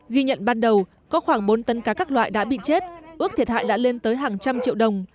ghi nhận ban đầu có khoảng bốn tấn cá các loại đã bị chết ước thiệt hại đã lên tới hàng trăm triệu đồng